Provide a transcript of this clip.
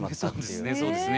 そうですね